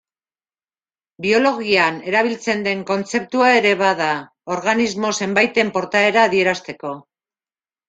Biologian erabiltzen den kontzeptua ere bada, organismo zenbaiten portaera adierazteko.